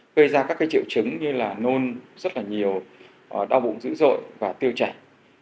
gây ra các triệu chứng như là nôn rất là nhiều đau bụng dữ dội và tiêu chảy